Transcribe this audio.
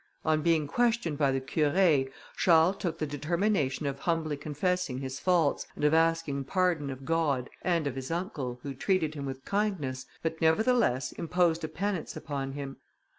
On being questioned by the Curé, Charles took the determination of humbly confessing his faults, and of asking pardon of God, and of his uncle, who treated him with kindness, but, nevertheless, imposed a penance upon him.